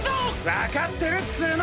分かってるっつの！